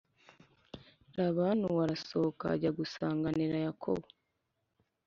Labani uwo arasohoka ajya gusanganirira yakobo